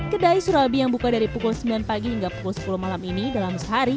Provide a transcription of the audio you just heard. kedai surabi yang buka dari pukul sembilan pagi hingga pukul sepuluh malam ini dalam sehari